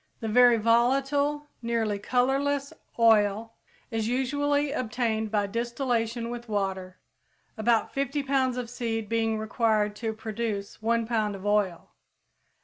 The very volatile, nearly colorless oil is usually obtained by distillation with water, about 50 pounds of seed being required to produce one pound of oil.